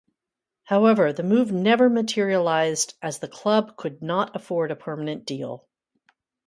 However, the move never materialised as the club could not afford a permanent deal.